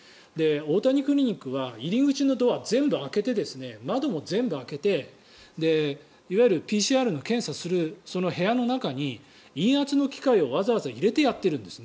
大谷クリニックは入り口のドアを全部開けて窓も全部開けていわゆるＰＣＲの検査するその部屋の中に陰圧の機械をわざわざ入れてやっているんです。